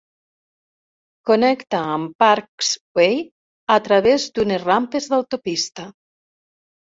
Connecta amb Parkes Way a través d'unes rampes d'autopista.